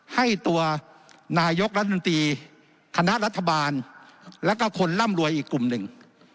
ให้ตัวนายกรัฐมนตรีคณะรัฐบาลแล้วก็คนร่ำรวยอีกกลุ่มหนึ่ง